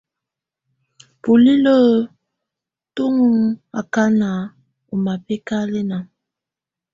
Bulilǝ́ tù ɔŋ akana ɔ mabɛkalɛna.